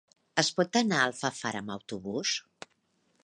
Es pot anar a Alfafar amb autobús?